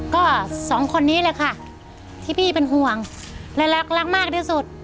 ก็๒คนนี้เลยค่ะที่พี่เป็นห่วงและรักมากที่สุด